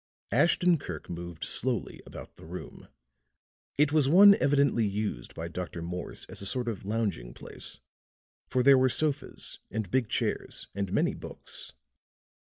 Ashton Kirk moved slowly about the room; it was one evidently used by Dr. Morse as a sort of lounging place, for there were sofas and big chairs and many books.